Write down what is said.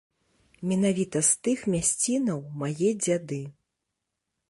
Менавіта з тых мясцінаў мае дзяды.